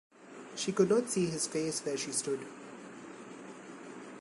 She could not see his face where she stood.